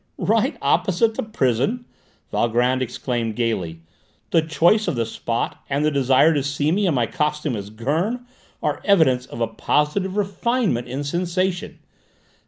"Right opposite the prison!" Valgrand exclaimed gaily. "The choice of the spot, and the desire to see me in my costume as Gurn, are evidence of a positive refinement in sensation!